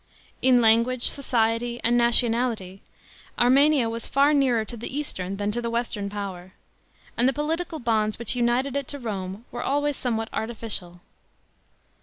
In language, society, and nationality, Armenia was far nearer to the eastern than to the western power ; an d the political bonds which unittd it to Rome were always somewhat artificial.